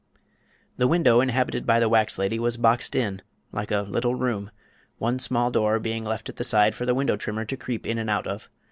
The window inhabited by the wax lady was boxed in, like a little room, one small door being left at the side for the window trimmer to creep in and out of.